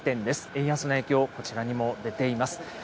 円安の影響、こちらにも出ています。